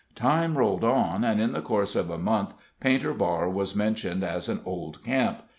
Time rolled on, and in the course of a month Painter Bar was mentioned as an old camp.